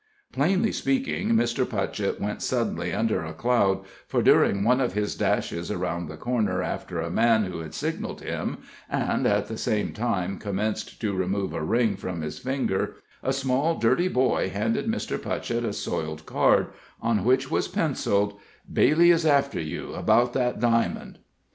Plainly speaking, Mr. Putchett went suddenly under a cloud, for during one of his dashes around the corner after a man who had signaled him, and at the same time commenced to remove a ring from his finger, a small, dirty boy handed Mr. Putchett a soiled card, on which was penciled: "Bayle is after you, about that diamond."